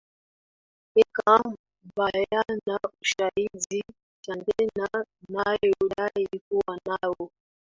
eka mbayana ushahidi chadema inayodai kuwa nao